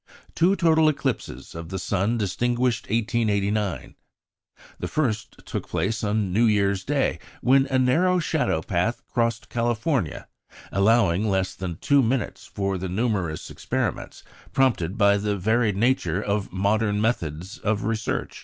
Two total eclipses of the sun distinguished 1889. The first took place on New Year's Day, when a narrow shadow path crossed California, allowing less than two minutes for the numerous experiments prompted by the varied nature of modern methods of research.